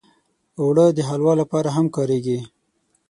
اوړه د حلوا لپاره هم کارېږي